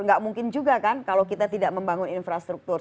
nggak mungkin juga kan kalau kita tidak membangun infrastruktur